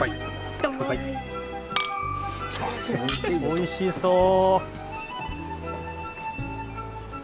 おいしそう。